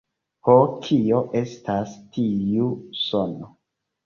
Ho, kio estas tiu sono?